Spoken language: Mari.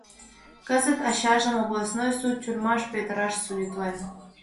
Кызыт ачажым областной суд тюрьмаш петыраш судитлен.